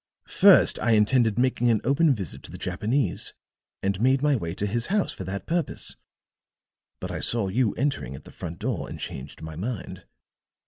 "First I intended making an open visit to the Japanese, and made my way to his house for that purpose. But I saw you entering at the front door and changed my mind.